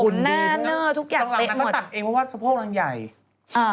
ข้างหลังนางก็ตัดเองว่าสะโพกนางใหญ่